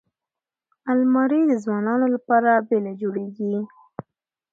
الماري د ځوانو لپاره بېله جوړیږي